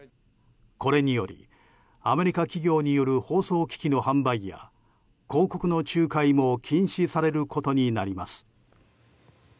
これにより、アメリカ企業による放送機器の販売や広告の仲介も禁止されることになります。